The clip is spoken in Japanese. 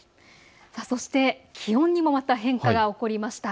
そして、気温にも変化が起こりました。